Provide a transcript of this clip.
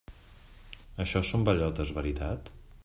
Això són bellotes, veritat?